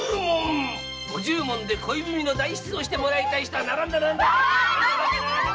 五十文で恋文の代筆をしてもらいたい人は並んで。